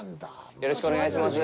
よろしくお願いします。